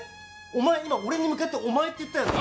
お前今俺に向かって「お前」って言ったよな？